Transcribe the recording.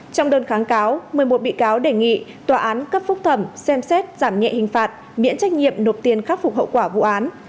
trong đơn kháng cáo một mươi một bị cáo đề nghị tòa án cấp phúc thẩm xem xét giảm nhẹ hình phạt miễn trách nhiệm nộp tiền khắc phục hậu quả vụ án